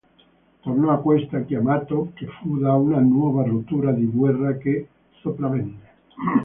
Tornò a questa, chiamato che fu da una nuova rottura di guerra che sopravvenne.